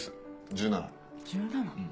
１７